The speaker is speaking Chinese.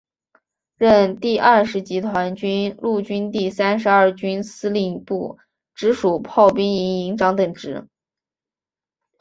任第二十集团军陆军第三十二军司令部直属炮兵营营长等职。